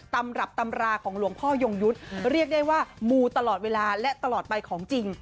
ตำรับตำราของหลวงพ่อยงยุทธ์เรียกได้ว่ามูตลอดเวลาและตลอดไปของจริง